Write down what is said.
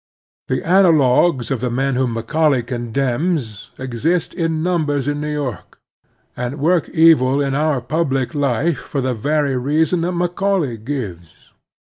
The analogues of the men whom Macaulay condenms exist in numbers in New York, and work evil in oiu* public life for the very reason that Macaulay gives.